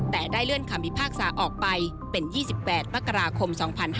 แต่ได้เลื่อนคำพิพากษาออกไปเป็น๒๘มกราคม๒๕๕๙